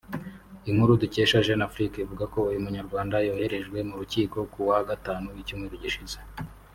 Inkuru dukesha Jeune Afrique ivuga ko uyu munyarwanda yoherejwe mu rukiko ku wa gatanu w’icyumweru gishize